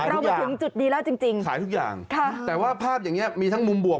มาถึงจุดนี้แล้วจริงจริงขายทุกอย่างค่ะแต่ว่าภาพอย่างเงี้มีทั้งมุมบวก